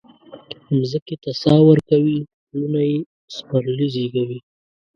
مځکې ته ساه ورکوي پلونه یي سپرلي زیږوي